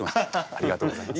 ありがとうございます。